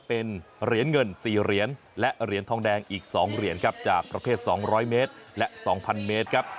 เป็นเหรียญเงิน๔เหรียญและเหรียญทองแดงอีก๒เหรียญครับจากประเภท๒๐๐เมตรและ๒๐๐เมตรครับ